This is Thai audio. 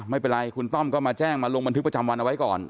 ไม่เป็นไรคุณต้อมก็มาแจ้งมาลงบันทึกประจำวันเอาไว้ก่อน